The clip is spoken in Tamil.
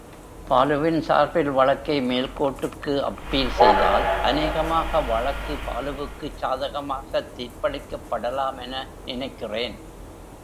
பாலுவின் சார்பில் வழக்கை மேல்கோர்ட்க்கு அப்பீல் செய்தால் அநேகமாக வழக்கு பாலுவுக்குச் சாதகமாகத் தீர்ப்பளிக்கப் படலாமென நினைக்கிறேன்.